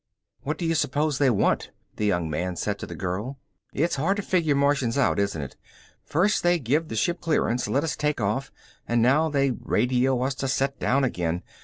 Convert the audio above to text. "What do you suppose they want?" the young man said to the girl. "It's hard to figure Martians out, isn't it? First they give the ship clearance, let us take off, and now they radio us to set down again.